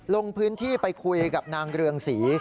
ลงพื้นที่ไปคุยกับนางเรืองศรี